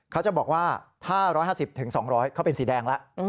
เขาจะบอกว่าถ้า๑๕๐๒๐๐เขาเป็นสีแดงแล้ว